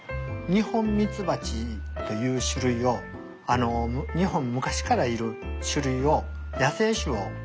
ニホンミツバチという種類を日本に昔からいる種類を野生種をうちは飼育してます。